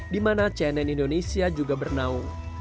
dimana cnn indonesia juga bernaung